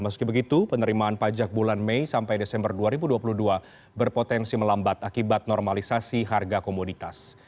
meski begitu penerimaan pajak bulan mei sampai desember dua ribu dua puluh dua berpotensi melambat akibat normalisasi harga komoditas